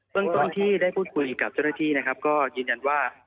เรื่องต้นที่ได้พูดคุยกับเจ้าหน้าที่นะครับก็ยืนยันว่า